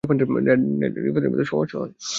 Late ডেলিভারিতে রিফান্ডের মতো সমস্যা হয়।